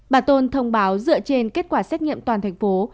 bà tôn thông báo dựa trên kết quả xét nghiệm toàn thành phố